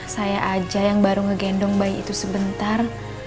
saya aja yang baru ngegendong bayi itu sebentar